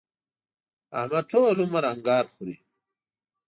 احمد ټول عمر انګار خوري.